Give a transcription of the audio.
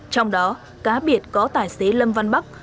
trong đó cá biệt có tài xế lâm văn bắc